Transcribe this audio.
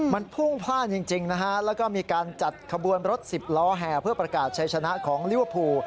มันพุ่งพลาดจริงนะฮะแล้วก็มีการจัดขบวนรถสิบล้อแห่เพื่อประกาศใช้ชนะของลิเวอร์พูล